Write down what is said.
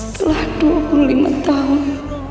setelah dua puluh lima tahun